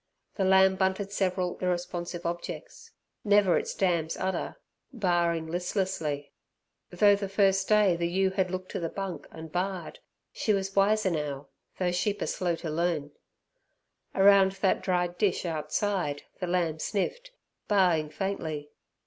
The lamb bunted several irresponsive objects never its dam's udder baaing listlessly. Though the first day the ewe had looked at the bunk, and baaed, she was wiser now, though sheep are slow to learn. Around that dried dish outside the lamb sniffed, baaing faintly.